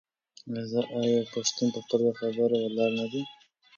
آیا پښتون په خپله خبره ولاړ نه دی؟